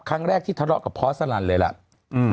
ครั้งแรกที่ทะเลาะกับพอสลันเลยล่ะ